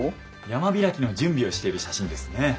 山開きの準備をしている写真ですね。